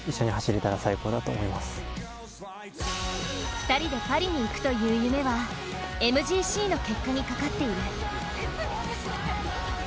２人でパリに行くという夢はＭＧＣの結果にかかっている。